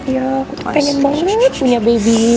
ya aku pengen banget punya baby